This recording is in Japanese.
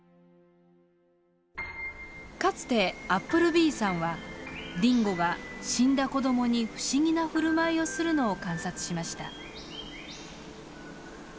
かつてアップルビーさんはディンゴが死んだ子どもに不思議なふるまいをするのを観察しました。